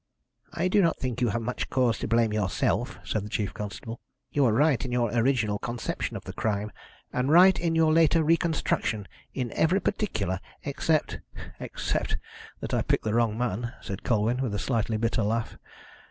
"I do not think you have much cause to blame yourself," said the chief constable. "You were right in your original conception of the crime, and right in your later reconstruction in every particular except " "Except that I picked the wrong man," said Colwyn, with a slightly bitter laugh.